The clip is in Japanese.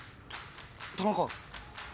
田中！？